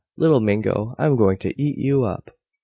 Little Mingo, I'm going to eat you up!"